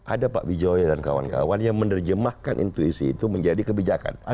ada pak wijaya dan kawan kawan yang menerjemahkan intuisi itu menjadi kebijakan